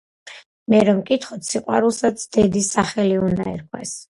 მე რომ მკითხოთ, სიყვარულსაც დედის სახელი უნდა ერქვას...